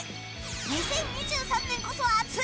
２０２３年にこそ熱い！